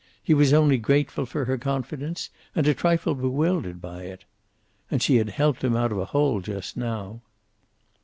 He was only grateful for her confidence, and a trifle bewildered by it. And she had helped him out of a hole just now.